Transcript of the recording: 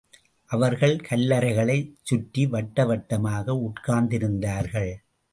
அவர்கள் கல்லறைகளைச் சுற்றி வட்ட வட்டமாக உட்கார்ந்திருந்தார்கள்.